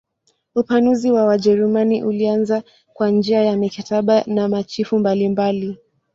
Upanuzi wa Wajerumani ulianza kwa njia ya mikataba na machifu mbalimbali.